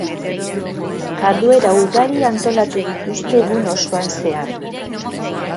Jarduera ugari antolatu dituzte egun osoan zehar.